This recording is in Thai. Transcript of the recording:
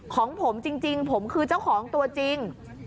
ของผมจริงผมคือเจ้าของตัวจริง